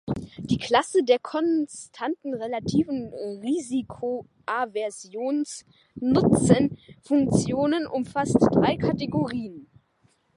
Die Klasse der konstanten relativen Risikoaversions-Nutzenfunktionen umfasst drei Kategorien.